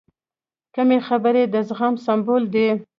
کمې خبرې، د زغم سمبول دی.